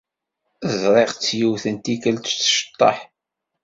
Ẓriɣ-tt yiwet n tikkelt tceṭṭeḥ.